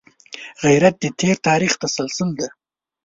غیرت د تېر تاریخ تسلسل دی